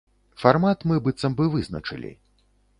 Фармат мы быццам бы вызначылі.